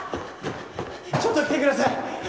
ちょっと来てください！